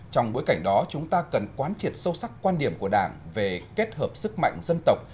trong bối cảnh đó chúng ta cần quán triệt sâu sắc quan điểm của đảng về kết hợp sức mạnh dân tộc